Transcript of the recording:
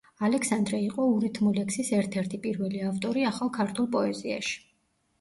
ალექსანდრე იყო ურითმო ლექსის ერთ-ერთი პირველი ავტორი ახალ ქართულ პოეზიაში.